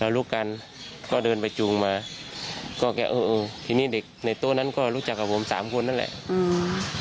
รู้กันก็เดินไปจูงมาก็แค่เออเออทีนี้เด็กในโต๊ะนั้นก็รู้จักกับผมสามคนนั่นแหละอืม